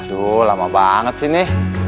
aduh lama banget sih ini